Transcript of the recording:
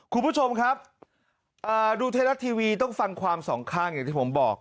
คุณผู้ชมครับดูไทยรัฐทีวีต้องฟังความสองข้างอย่างที่ผมบอก